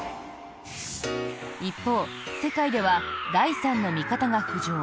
一方、世界では第三の見方が浮上。